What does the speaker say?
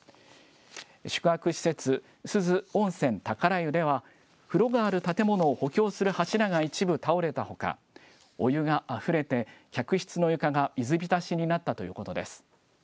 宿泊施設、珠洲温泉宝湯では、風呂がある建物を補強する柱が一部倒れたほか、お湯があふれて、客室の床が水浸しになったということです。